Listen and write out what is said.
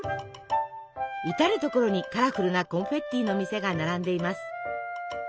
至る所にカラフルなコンフェッティの店が並んでいます。